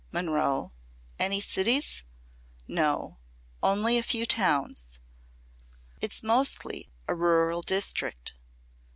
"Monroe." "Any cities?" "No; only a few towns. It's mostly a rural district.